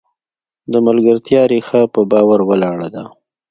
د ملګرتیا ریښه په باور ولاړه ده.